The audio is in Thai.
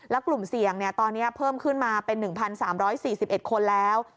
แล้วกลุ่มเสี่ยงตอนนี้เพิ่มขึ้นมาเป็น๑๓๔๑คนแล้ว